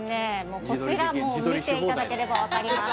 もうこちらもう見ていただければ分かります